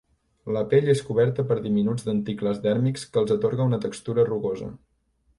La pell és coberta per diminuts denticles dèrmics que els atorga una textura rugosa.